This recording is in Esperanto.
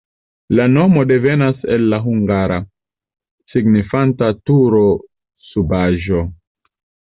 La nomo devenas el la hungara, signifanta turo-subaĵo.